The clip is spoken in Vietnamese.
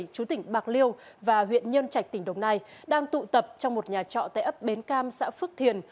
chú tỉnh bạc liêu và huyện nhân trạch tỉnh đồng nai đang tụ tập trong một nhà trọ tại ấp bến cam xã phước thiền